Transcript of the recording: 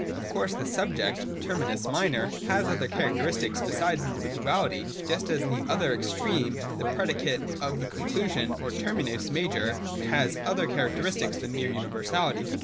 Of course the subject {terminus minor) has other characteristics besides individuality, just as the other extreme (the predicate of the conclusion, or terminus ■major) has other characteristics than mere universality.